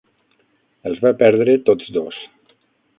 Els va perdre tots dos.